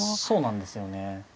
そうなんですよね。